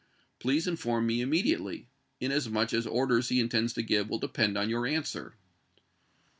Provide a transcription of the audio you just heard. Please inform me immediately, in asmuch as orders he intends to give will depend on your answer."